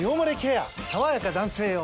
さわやか男性用」